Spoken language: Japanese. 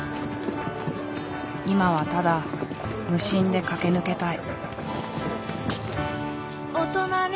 今はただ無心で駆け抜けたい。